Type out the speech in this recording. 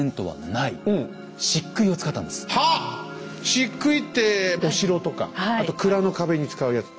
しっくいってお城とかあと蔵の壁に使うやつ。